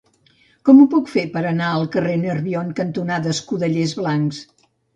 Com ho puc fer per anar al carrer Nerbion cantonada Escudellers Blancs?